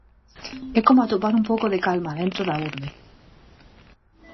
É como atopar un pouco de calma dentro da urbe.